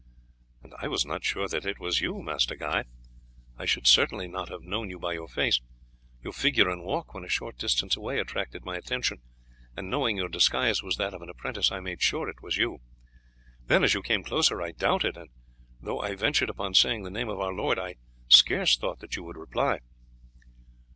"And I was not sure that it was you, Master Guy; I should certainly not have known you by your face. Your figure and walk, when a short distance away, attracted my attention, and knowing your disguise was that of an apprentice I made sure it was you. Then as you came closer I doubted, and though I ventured upon saying the name of our lord, I scarce thought that you would reply."